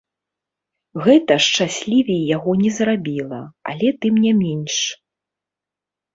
Гэта шчаслівей яго не зрабіла, але тым не менш.